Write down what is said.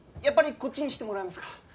やっぱりこっちにしてもらえますか？